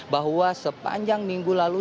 bahwa sepanjang minggu lalu